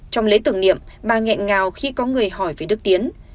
trong lễ tưởng niệm bà nghẹn ngào khi có người hỏi về đức tiến